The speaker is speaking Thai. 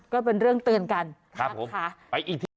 ก็เป็นเรื่องเตือนกันครับค่ะ